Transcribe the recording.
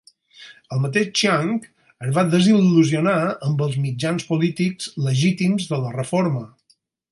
El mateix Chiang es va desil.lusionar amb els mitjans polítics legítims de la reforma.